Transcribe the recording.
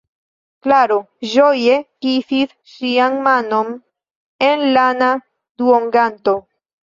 Klaro ĝoje kisis ŝian manon en lana duonganto.